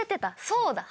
そうだ。